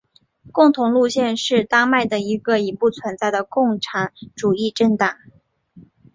共同路线是丹麦的一个已不存在的共产主义政党。